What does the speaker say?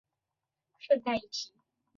顺带一提